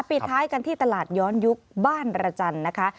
ปิดท้ายกันที่ตลาดย้อนยุคบ้านระจันทร์นะคะ